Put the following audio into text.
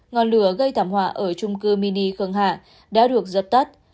ngọn lửa gây thảm họa ở trung cư mini khương hạ đã được dập tắt